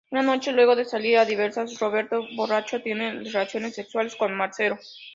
Una noche, luego de salir a divertirse, Roberto, borracho, tiene relaciones sexuales con Marcelo.